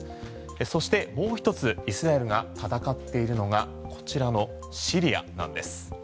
そして、もう１つイスラエルが戦っているのがこちらのシリアなんです。